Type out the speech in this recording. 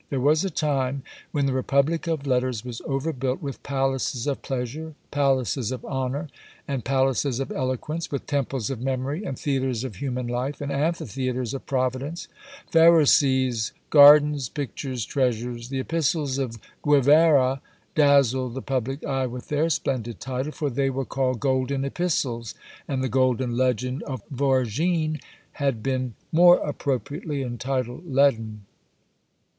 There was a time when the republic of letters was over built with "Palaces of Pleasure," "Palaces of Honour," and "Palaces of Eloquence;" with "Temples of Memory," and "Theatres of Human Life," and "Amphitheatres of Providence;" "Pharoses, Gardens, Pictures, Treasures." The epistles of Guevara dazzled the public eye with their splendid title, for they were called "Golden Epistles;" and the "Golden Legend" of Voragine had been more appropriately entitled leaden.